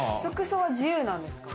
服装は自由です。